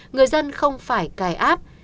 người dân không phải cài app